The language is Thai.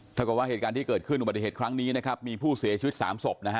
ถ้าเกิดว่าเหตุการณ์ที่เกิดขึ้นอุบัติเหตุครั้งนี้นะครับมีผู้เสียชีวิตสามศพนะฮะ